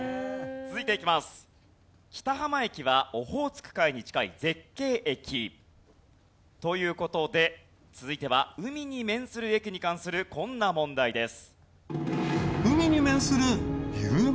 続いていきます。という事で続いては海に面する駅に関するこんな問題です。